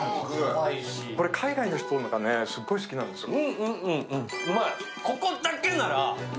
これ海外の人がすごい好きなんですよ。